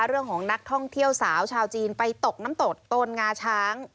เรื่องของนักท่องเที่ยวสาวชาวจีนไปตกน้ำตกโตนงาช้าง